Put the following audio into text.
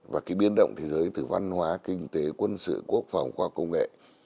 và cái biến động thế giới từ văn hóa kinh tế quân sự quốc phòng khoa công nghệ